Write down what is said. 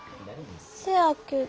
せやけど。